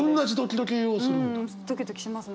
ドキドキしますね。